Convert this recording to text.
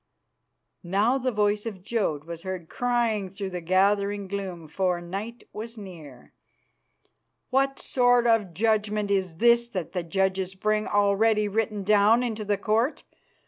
Now the voice of Jodd was heard crying through the gathering gloom, for night was near: "What sort of judgment is this that the judges bring already written down into the Court?